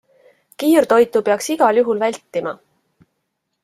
Kiirtoitu peaks igal juhul vältima.